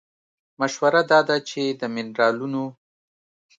مشوره دا ده چې د مېنرالونو